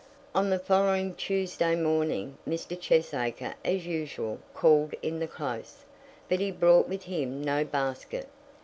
On the following Tuesday morning Mr. Cheesacre as usual called in the Close, but he brought with him no basket.